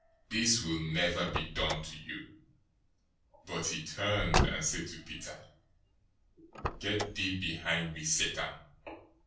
This will never be done to you." 016:023 But he turned, and said to Peter, "Get behind me, Satan!